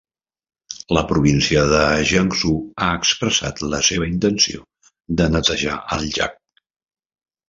La província de Jiangsu ha expressat la seva intenció de netejar el llac.